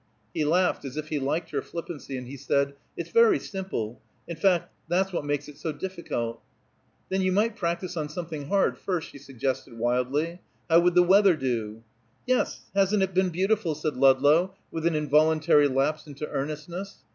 He laughed, as if he liked her flippancy, and he said, "It's very simple. In fact, that's what makes it so difficult." "Then you might practice on something hard first," she suggested wildly. "How would the weather do?" "Yes, hasn't it been beautiful?" said Ludlow, with an involuntary lapse into earnestness.